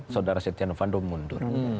saudara setianofando mundur